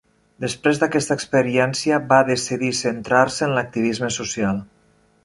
Després d'aquesta experiència va decidir centrar-se en l'activisme social.